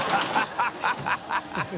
ハハハ